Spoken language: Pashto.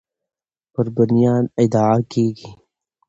پر بنیاد ادعا کیږي